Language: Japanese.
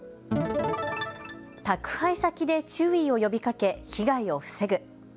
宅配先で注意を呼びかけ被害を防ぐ。